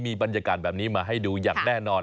มีบรรยากาศแบบนี้มาให้ดูอย่างแน่นอน